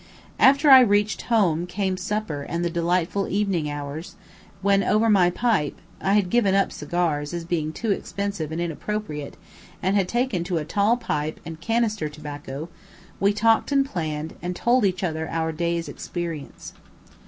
After I reached home came supper and the delightful evening hours, when over my pipe (I had given up cigars, as being too expensive and inappropriate, and had taken to a tall pipe and canaster tobacco) we talked and planned, and told each other our day's experience.